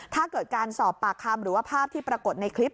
ถ้าเกิดการสอบปากคำหรือว่าภาพที่ปรากฏในคลิป